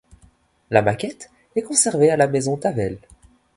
La maquette est conservée à la Maison Tavel.